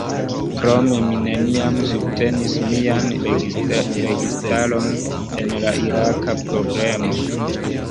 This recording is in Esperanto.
Krome, mi neniam subtenis mian registaron en la iraka problemo.